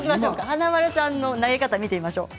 華丸さんの投げ方を見てみましょう。